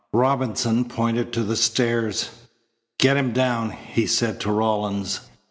Robinson pointed to the stairs. "Get him down," he said to Rawlins.